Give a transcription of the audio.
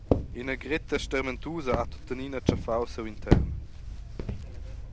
Ina gretta stermentusa ha tuttenina tschaffau siu intern.